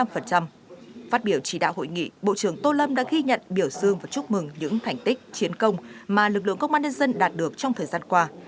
phát biểu chỉ đạo hội nghị bộ trưởng tô lâm đã ghi nhận biểu dương và chúc mừng những thành tích chiến công mà lực lượng công an nhân dân đạt được trong thời gian qua